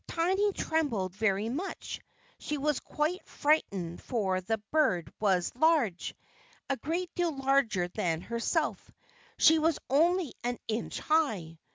Tiny trembled very much. She was quite frightened, for the bird was large, a great deal larger than herself she was only an inch high.